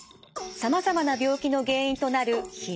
さまざまな病気の原因となる肥満。